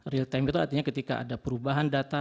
real time itu artinya ketika ada perubahan data